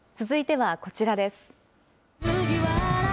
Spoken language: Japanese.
続いてはこちらです。